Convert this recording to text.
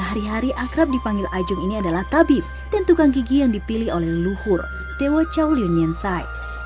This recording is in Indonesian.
sehari hari akrab dipanggil ajung ini adalah tabib dan tukang gigi yang dipilih oleh luhur dewa cao liu nian sai